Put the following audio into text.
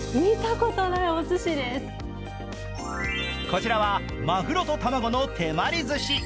こちらはまぐろと卵の手まりずし。